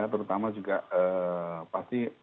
terutama juga pasti